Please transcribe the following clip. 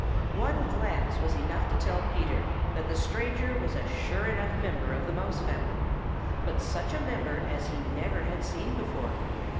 One glance was enough to tell Peter that the stranger was a sure enough member of the Mouse family, but such a member as he never had seen before.